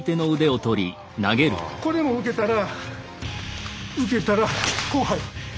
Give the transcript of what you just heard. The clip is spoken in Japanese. これも受けたら受けたらこう入る。